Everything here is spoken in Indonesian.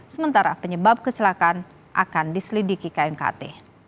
sementara penyebab kecelakaan akan diselidiki knkt